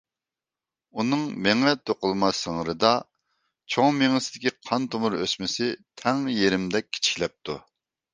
ئۇنىڭ مېڭە توقۇلما سىڭىرىدا چوڭ مېڭىسىدىكى قان تومۇر ئۆسمىسى تەڭ يېرىمدەك كىچىكلەپتۇ.